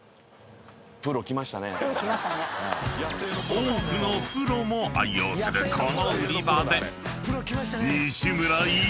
［多くのプロも愛用するこの売り場で］